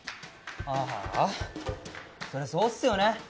ああそりゃそうっすよね。